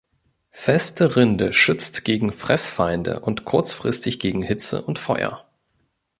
Feste Rinde schützt gegen Fressfeinde und kurzfristig gegen Hitze und Feuer.